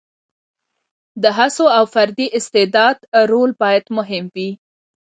د هڅو او فردي استعداد رول باید مهم وي.